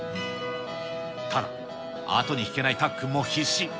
ただ、後に引けないたっくんも必死。